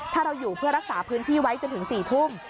ถ้าเราอยู่เพื่อรักษาพื้นที่ไว้จนถึง๔ทุ่ม